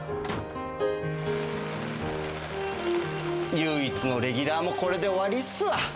唯一のレギュラーも、これで終わりっすわ。